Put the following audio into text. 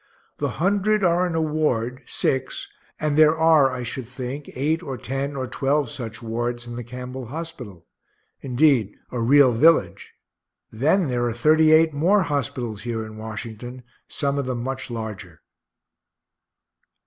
The 100 are in a ward, (6), and there are, I should think, eight or ten or twelve such wards in the Campbell hospital indeed a real village. Then there are 38 more hospitals here in Washington, some of them much larger.